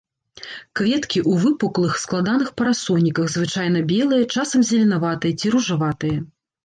Кветкі ў выпуклых складаных парасоніках, звычайна белыя, часам зеленаватыя ці ружаватыя.